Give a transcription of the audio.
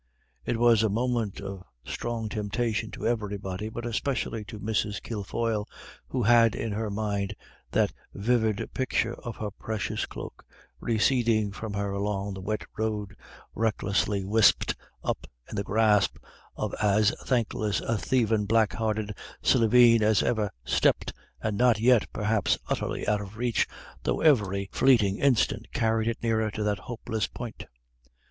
It was a moment of strong temptation to everybody, but especially to Mrs. Kilfoyle, who had in her mind that vivid picture of her precious cloak receding from her along the wet road, recklessly wisped up in the grasp of as thankless a thievin' black hearted slieveen as ever stepped, and not yet, perhaps, utterly out of reach, though every fleeting instant carried it nearer to that hopeless point.